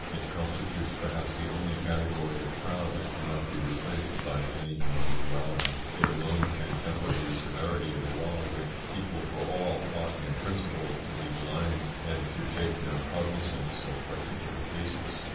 It constitutes, perhaps, the only category of crowd that cannot be replaced by any individuality. It alone can temper the severity of the law, which, equal for all, ought in principle to be blind and to take no cognisance of particular cases.